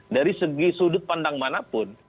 dari segi sudut pandang manapun